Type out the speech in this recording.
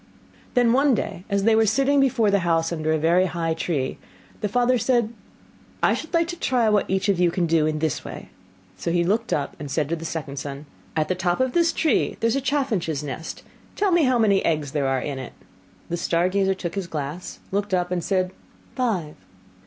Then, one day, as they were sitting before the house under a very high tree, the father said, 'I should like to try what each of you can do in this way.' So he looked up, and said to the second son, 'At the top of this tree there is a chaffinch's nest; tell me how many eggs there are in it.' The star gazer took his glass, looked up, and said, 'Five.